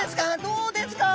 どうですか？